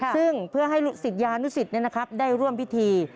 ซึ่งเพื่อให้ศิษยานุสิตได้ร่วมพิธี